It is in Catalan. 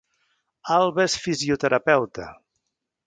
Alba és fisioterapeuta